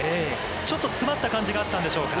ちょっと詰まった感じがあったんでしょうか。